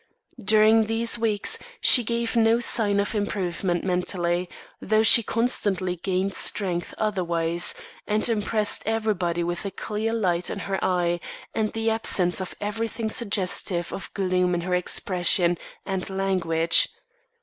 During these weeks she gave no sign of improvement mentally, though she constantly gained strength otherwise, and impressed everybody with the clear light in her eye and the absence of everything suggestive of gloom in her expression and language.